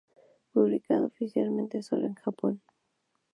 Publicado oficialmente solo en Japón.